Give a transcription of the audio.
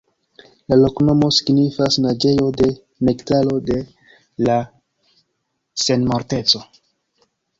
La loknomo signifas: "Naĝejo de Nektaro de la Senmorteco".